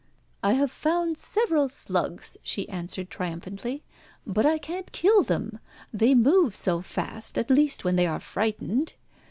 "I have found several slugs," she answered triumphantly; "but I can't kill them. They move so fast, at least when they are frightened.